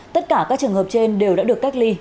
tất cả các trường hợp trên đều đã được cách ly